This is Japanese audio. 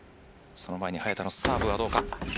その前に早田サーブがどうか。